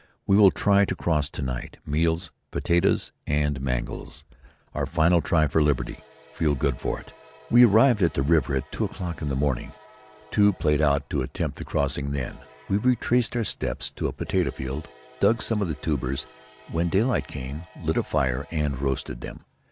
We will try to cross to night. Meals: potatoes and mangels. Our final try for liberty. Feel good for it." We had arrived at the river at two o'clock that morning, too played out to attempt the crossing then. We retraced our steps to a potato field, dug some of the tubers and, when daylight came, lit a fire and roasted them.